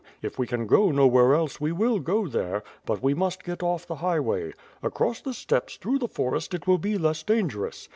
If we can go nowhere else we will go there, but we must get off the highway. Across the steppes through the forest it will be less dangerous.